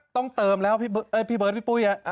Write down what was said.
ต้องเติมแล้วพี่เบิร์ดพี่ปุ้ย